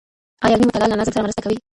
آيا علمي مطالعه له نظم سره مرسته کوي؟